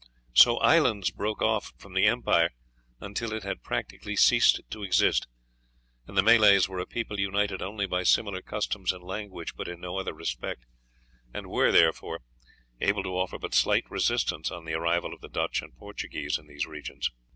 So islands broke off from the empire until it had practically ceased to exist, and the Malays were a people united only by similar customs and language, but in no other respect, and were, therefore, able to offer but slight resistance on the arrival of the Dutch and Portuguese in these regions.